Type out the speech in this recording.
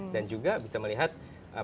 dan juga bisa melihat pelajaran mengenai kondisi